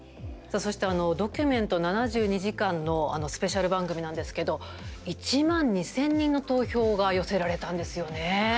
「ドキュメント７２時間」のスペシャル番組なんですけど１万２０００人の投票が寄せられたんですよね。